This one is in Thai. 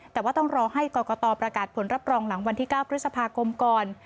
แต่ว่าต้องรอให้กรกตประกาศผลรับรองหลังวันที่๙พฤษภาคมก่อน